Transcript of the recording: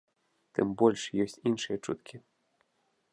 Тым больш, ёсць іншыя чуткі.